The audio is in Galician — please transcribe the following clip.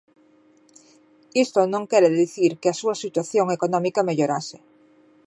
Isto non quere dicir que a súa situación económica mellorase.